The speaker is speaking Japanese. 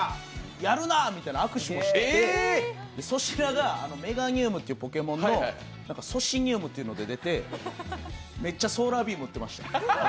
やるな！」って握手もしてて、粗品がメガニウムというポケモンのソシニウムというので出て、めっちゃソーラービーム打ってました。